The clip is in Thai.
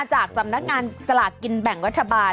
จากสำนักงานสลากกินแบ่งรัฐบาล